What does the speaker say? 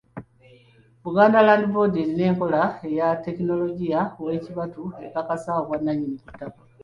Buganda Land Board erina enkola eya ttekinologiya ow’ekibatu ekakasa obwannannyini ku ttaka.